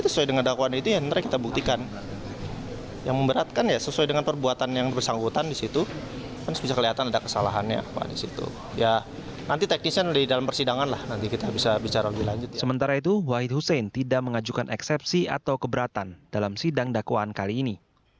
sementara itu wahid hussein tidak mengajukan eksepsi atau keberatan dalam sidang dakwaan kali ini